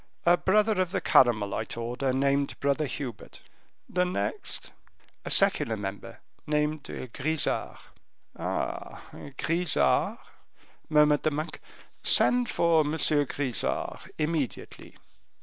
"A brother of the Carmelite order, named Brother Hubert." "The next?" "A secular member, named Grisart." "Ah! Grisart?" murmured the monk, "send for M. Grisart immediately."